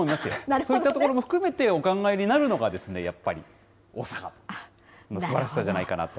そういったところも含めてお考えになるのがやっぱり大阪のすばらしさじゃないかなと。